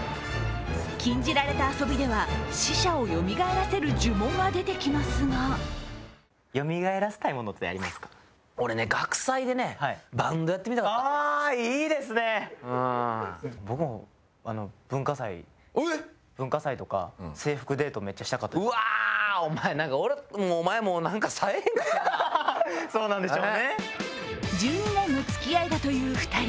「禁じられた遊び」では死者をよみがえらせる呪文が出てきますが１２年のつきあいだという２人。